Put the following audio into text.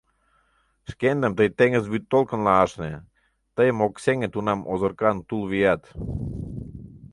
Шкендым тый теҥыз вӱдтолкынла ашне, Тыйым ок сеҥе тунам озыркан тул вият.